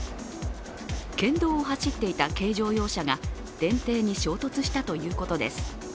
県道を走っていた軽乗用車が電停に衝突したということです。